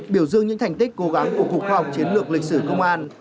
biểu dương những thành tích cố gắng của cục khoa học chiến lược lịch sử công an